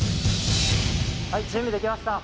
はい準備できました。